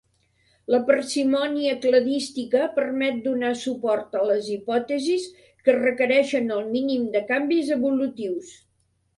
La parsimònia cladística permet donar suport a les hipòtesis que requereixen el mínim de canvis evolutius.